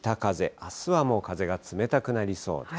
あすはもう、風が冷たくなりそうです。